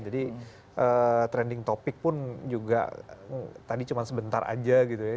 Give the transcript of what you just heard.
jadi trending topic pun juga tadi cuma sebentar aja gitu ya